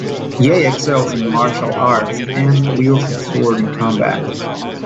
Ye excels in martial arts and wields a sword in combat.